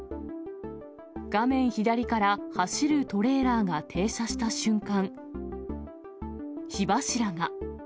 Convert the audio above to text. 画面左から走るトレーラーが停車した瞬間、火柱が。